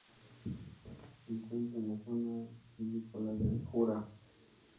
Se encuentra en la zona vinícola del Jura.